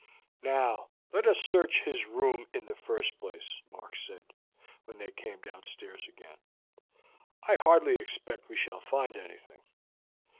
"Now let us search his room in the first place," Mark said, when they came downstairs again. "I hardly expect we shall find anything.